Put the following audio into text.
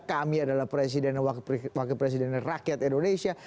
kami adalah wakil presiden rakyat indonesia